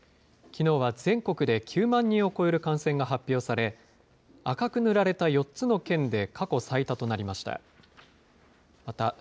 きのうは全国で９万人を超える感染が発表され、赤く塗られた４つの県で過去最多となりました。